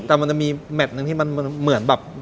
แต่มันจะมีแมทหนึ่งที่มันเหมือนแบบ